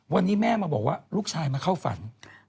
วันนี้แม่มาบอกว่าลูกชายมาเข้าฝัน